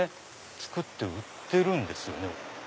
作って売ってるんですよね。